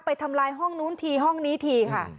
ทำลายห้องนู้นทีห้องนี้ทีค่ะ